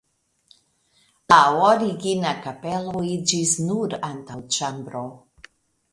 La origina kapelo iĝis nur antaŭĉambro.